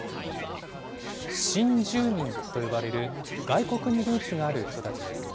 新住民と呼ばれる外国にルーツがある人たちです。